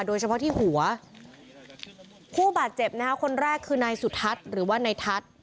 โดยเฉพาะที่หัวผู้บาดเจ็บนะคะคนแรกคือนายสุทัศน์หรือว่านายทัศน์